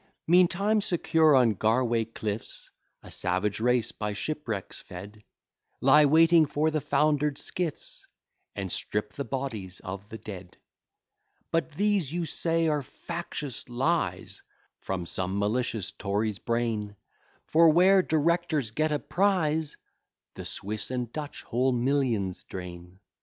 " Meantime, secure on Garway cliffs, A savage race, by shipwrecks fed, Lie waiting for the founder'd skiffs, And strip the bodies of the dead. But these, you say, are factious lies, From some malicious Tory's brain; For, where directors get a prize, The Swiss and Dutch whole millions drain.